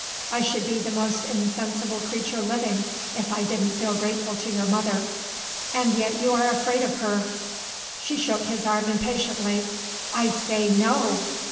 I should be the most insensible creature living if I didn't feel grateful to your mother." "And yet, you are afraid of her." She shook his arm impatiently. "I say, No!"